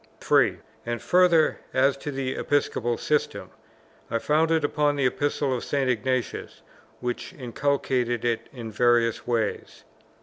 (3.) And further, as to the Episcopal system, I founded it upon the Epistles of St. Ignatius, which inculcated it in various ways.